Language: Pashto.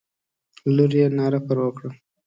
لور یې ناره پر وکړه.